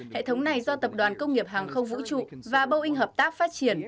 hệ thống này do tập đoàn công nghiệp hàng không vũ trụ và boeing hợp tác phát triển